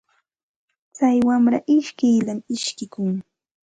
Tsay wamra ishkiyllam ishkikun.